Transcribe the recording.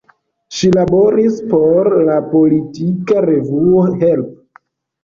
Ŝi laboris por la politika revuo "Help!